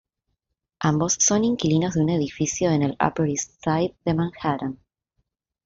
Ambos son inquilinos de un edificio en el Upper East Side de Manhattan.